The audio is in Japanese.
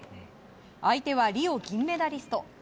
相手はリオ銀メダリスト。